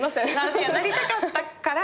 なりたかったから。